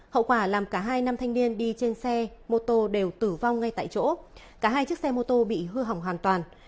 hậu quả làm cả hai nam thanh niên đi trên xe mô tô đều tử vong ngay tại chỗ cả hai chiếc xe mô tô bị hư hỏng hoàn toàn